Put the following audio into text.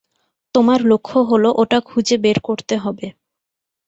তোমার লক্ষ্য হলো ওটা খুঁজে বের করতে হবে।